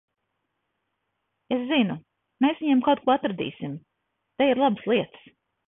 Es zinu, mēs viņiem kaut ko atradīsim. Te ir labas lietas.